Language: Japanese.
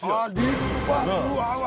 立派やわ。